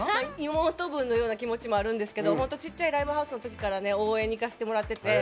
妹分のような気持ちもあるんですけど、ちっちゃいライブハウスのときから応援に行かせてもらってて。